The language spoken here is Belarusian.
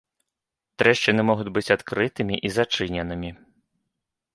Трэшчыны могуць быць адкрытымі і зачыненымі.